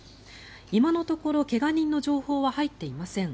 今のところ怪我人の情報は入っていません。